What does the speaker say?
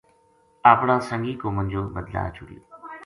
اپنا سنگی کو منجو بدلا چھڑیو